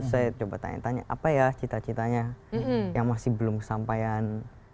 saya coba tanya tanya apa ya cita citanya yang masih belum kesampaian